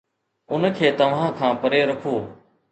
ان کي توهان کان پري رکو